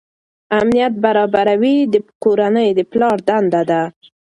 امنیت برابروي د کورنۍ د پلار دنده ده.